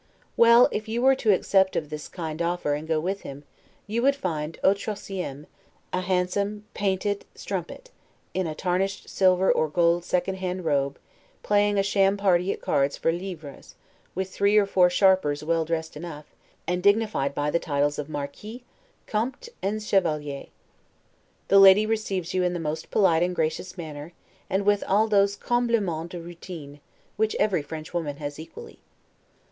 Well, if you were to accept of this kind offer, and go with him, you would find 'au troisieme; a handsome, painted and p d strumpet, in a tarnished silver or gold second hand robe, playing a sham party at cards for livres, with three or four sharpers well dressed enough, and dignified by the titles of Marquis, Comte, and Chevalier. The lady receives you in the most polite and gracious manner, and with all those 'complimens de routine' which every French woman has equally.